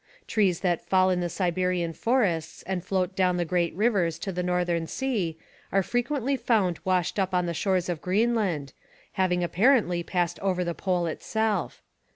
Trees that fall in the Siberian forests and float down the great rivers to the northern sea are frequently found washed up on the shores of Greenland, having apparently passed over the Pole itself.